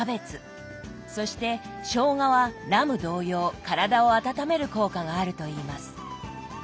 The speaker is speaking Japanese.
そしてしょうがはラム同様体を温める効果があるといいます。